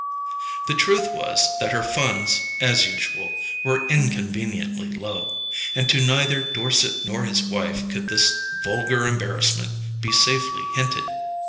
The truth was that her funds, as usual, were inconveniently low; and to neither Dorset nor his wife could this vulgar embarrassment be safely hinted.